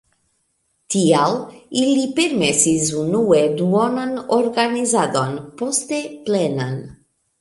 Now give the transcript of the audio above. Tial ili permesis unue duonan organizadon, poste plenan.